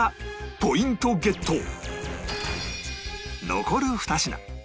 残る２品